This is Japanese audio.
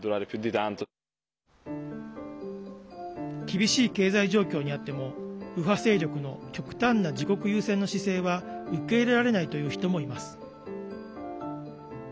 厳しい経済状況にあっても右派勢力の極端な自国優先の姿勢は受け入れられないという人もいます。